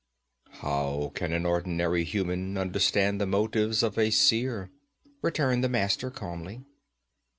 'How can an ordinary human understand the motives of a Seer?' returned the Master calmly.